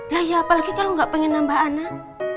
lah ya apalagi kalau nggak pengen nambah anak